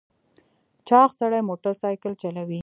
چاغ سړی موټر سایکل چلوي .